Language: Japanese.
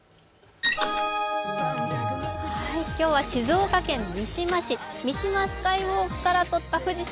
今日は静岡県三島市、三島スカイウォークから撮った富士山。